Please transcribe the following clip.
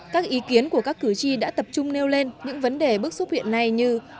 các ý kiến của các cử tri đã tập trung nêu lên những vấn đề bước xuất hiện này như